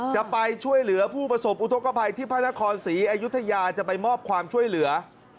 จะไปช่วยเหลือผู้ประสบอุทธกภัยที่พระนครศรีอยุธยาจะไปมอบความช่วยเหลือ